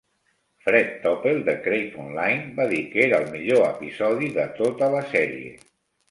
Fred Topel de Crave Online va dir quer era el millor episodi de tota la sèrie.